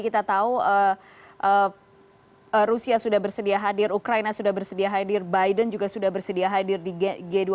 kita tahu rusia sudah bersedia hadir ukraina sudah bersedia hadir biden juga sudah bersedia hadir di g dua puluh